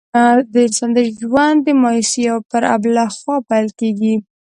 د انسان ژوند د مایوسۍ پر آبله خوا پیل کېږي.